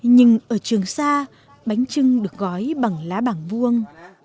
nhưng ở trường sa bánh trưng được gói bằng lá bảng vuông